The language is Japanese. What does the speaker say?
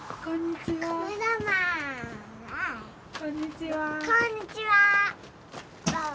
こんにちは。